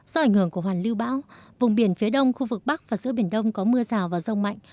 do ảnh hưởng của hoàn lưu bão vùng biển phía đông khu vực bắc và giữa biển đông có mưa rào và rông mạnh